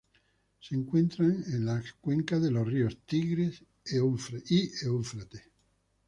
Se encuentran en las cuencas de los ríos Tigris y Éufrates.